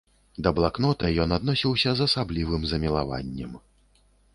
Да блакнота ён адносіўся з асаблівым замілаваннем.